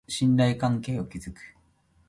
信頼関係を築く